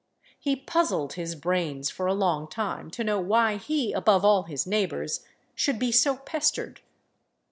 He puzzled his brains for a long time to know why he, above all his neighbours, should be so pestered.